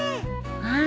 うん。